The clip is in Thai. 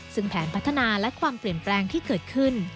ซึ่งแผนพัฒนาและความเปลี่ยนแปลงที่เกิดขึ้น